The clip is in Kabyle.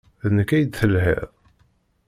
D nekk ay d-telhiḍ?